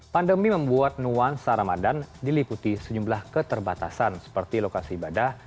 pandemi membuat nuansa ramadan diliputi sejumlah keterbatasan seperti lokasi ibadah